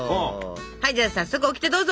はいじゃあ早速オキテどうぞ。